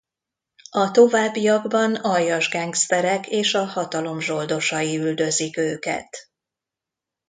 A továbbiakban aljas gengszterek és a hatalom zsoldosai üldözik őket.